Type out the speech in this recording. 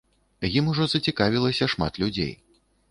Ім ужо зацікавілася шмат людзей.